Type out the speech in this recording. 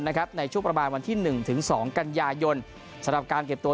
ในช่วงประมาณวันที่๑ถึง๒กันยายนสำหรับการเก็บตัว